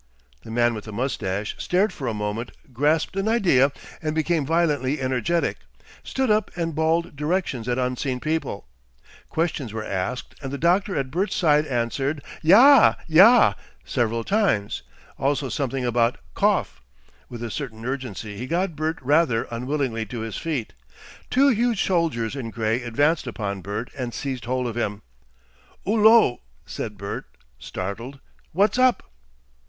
The man with the moustache stared for a moment, grasped an idea and became violently energetic, stood up and bawled directions at unseen people. Questions were asked, and the doctor at Bert's side answered, "Ja! Ja!" several times, also something about "Kopf." With a certain urgency he got Bert rather unwillingly to his feet. Two huge soldiers in grey advanced upon Bert and seized hold of him. "'Ullo!" said Bert, startled. "What's up?"